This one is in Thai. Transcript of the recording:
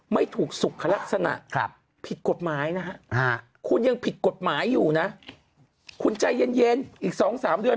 ไม่ถูกสุขลักษณะผิดกฎหมายนะฮะคุณยังผิดกฎหมายอยู่นะคุณใจเย็นอีก๒๓เดือน